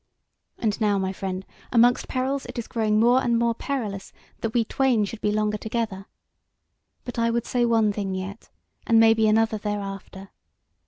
And now, my friend, amongst perils it is growing more and more perilous that we twain should be longer together. But I would say one thing yet; and maybe another thereafter.